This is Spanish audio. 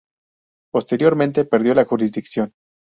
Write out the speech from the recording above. Posteriormente, perdió la jurisdicción.